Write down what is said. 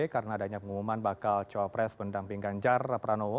karena adanya pengumuman bakal co pres mendampingkan jarra pranowo